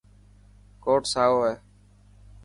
ڪوٽ سائو هي.